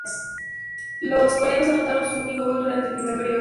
Los coreanos anotaron su único gol durante el primer período.